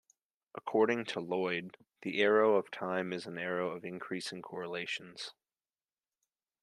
According to Lloyd; The arrow of time is an arrow of increasing correlations.